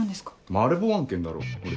マルボウ案件だろほれ。